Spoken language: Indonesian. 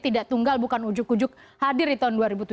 tidak tunggal bukan ujuk ujuk hadir di tahun dua ribu tujuh belas